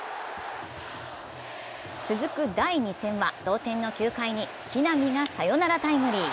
続く第２戦は同点の９回に木浪がサヨナラタイムリー。